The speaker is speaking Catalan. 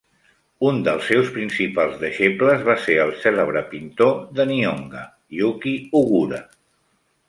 Un dels seus principals deixebles va ser el cèlebre pintor de "Nihonga" Yuki Ogura.